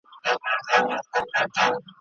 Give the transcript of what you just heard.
زه پوهېدم چي پر قولونو به وفا ونه کي